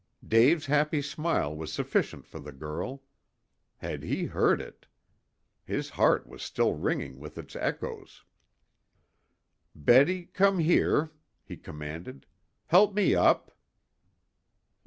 Dave's happy smile was sufficient for the girl. Had he heard it? His heart was still ringing with its echoes. "Betty, come here," he commanded. "Help me up."